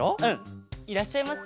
いらっしゃいませ。